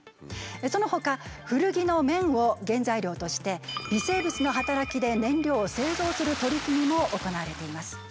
そのほか古着の綿を原材料として微生物の働きで燃料を製造する取り組みも行われています。